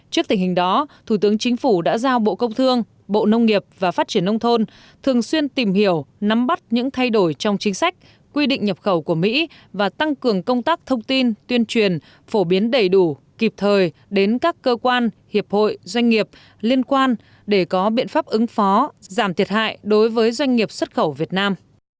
trước tình hình đó thủ tướng chính phủ đã giao bộ công thương bộ nông nghiệp và phát triển nông thôn thường xuyên tìm hiểu nắm bắt những thay đổi trong chính sách quy định nhập khẩu của mỹ và tăng cường công tác thông tin tuyên truyền phổ biến đầy đủ kịp thời đến các cơ quan hiệp hội doanh nghiệp liên quan để có biện pháp ứng phó giảm thiệt hại đối với doanh nghiệp xuất khẩu việt nam